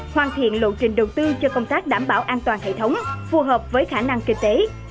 hoàn thiện lộ trình đầu tư cho công tác đảm bảo an toàn hệ thống phù hợp với khả năng kinh tế